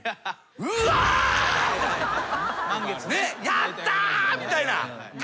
「やった！」みたいな感じ。